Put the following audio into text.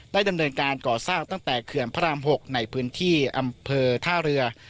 ดำเนินการก่อสร้างตั้งแต่เขื่อนพระราม๖ในพื้นที่อำเภอท่าเรือ